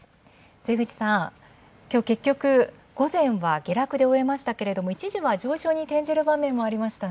露口さん、きょう結局午前は、終えましたけど、一時は上昇に転じる場面もありました。